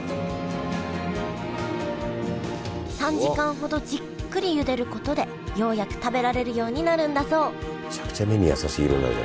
３時間ほどじっくりゆでることでようやく食べられるようになるんだそう